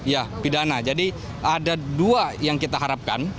ya pidana jadi ada dua yang kita harapkan